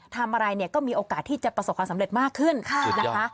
ทำอะไรเนี่ยก็มีโอกาสที่จะประสบความสำเร็จมากขึ้นนะคะ